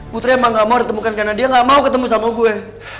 putri emang gak mau ditemukan karena dia gak mau ketemu sama gue